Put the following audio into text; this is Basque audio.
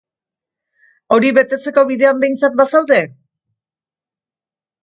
Hori betetzeko bidean behintzat bazaude?